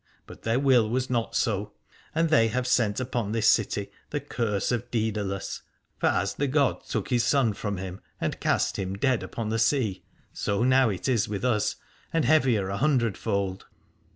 But their will was not so, and they have sent upon this city the curse of Doedalus: for as the god took his son from 220 Alad ore him and cast him dead upon the sea, so now it is with us, and heavier a hundredfold.